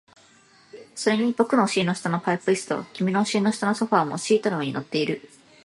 それに僕のお尻の下のパイプ椅子と、君のお尻の下のソファーもシートの上に乗っている